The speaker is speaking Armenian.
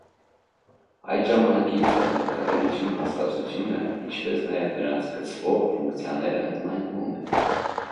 Այդ ժամանակից ձեռնարկատիրություն հասկացությունը, ինչպես նաև նրան կցվող ֆունկցիաները ընդլայնվում են։